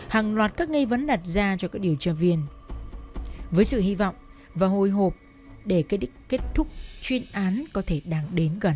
hàng loạt các nghi vấn đặt ra cho các điều tra viên với sự hy vọng và hồi hộp để kết thúc chuyên án có thể đáng đến gần